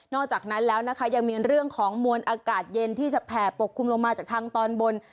อกจากนั้นแล้วนะคะยังมีเรื่องของมวลอากาศเย็นที่จะแผ่ปกคลุมลงมาจากทางตอนบน